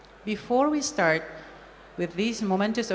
sebelum kita mulai dengan acara momentus ini